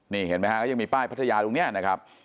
นี่เห็นไหมฮะก็ยังมีป้ายพัทยาตรงนี้นะครับ